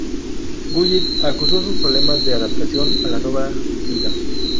Gullit acusó sus problemas de adaptación a la nueva liga.